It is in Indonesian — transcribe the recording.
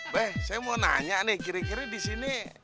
beh saya mau nanya nih kira kira disini